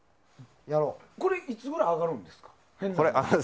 これ、いつごろ上がるんですか？